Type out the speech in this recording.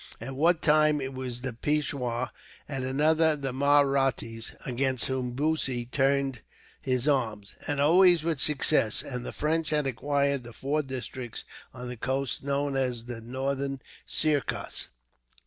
At one time it was the Peishwar, at another the Mahrattas against whom Bussy turned his arms; and always with success, and the French had acquired the four districts on the coast, known as the Northern Sircas.